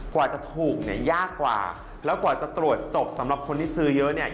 กว่าจะถูกเนี่ยยากกว่าแล้วกว่าจะตรวจจบสำหรับคนที่ซื้อเยอะเนี่ย